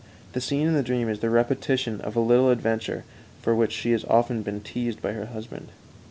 The scene in the dream is the repetition of a little adventure for which she has often been teased by her husband.